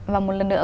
và một lần nữa